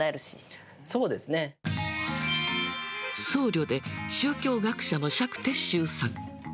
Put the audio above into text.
僧侶で宗教学者の釈徹宗さん。